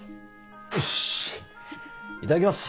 よっしいただきます